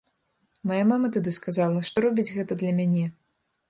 Мая мама тады сказала, што робіць гэта для мяне.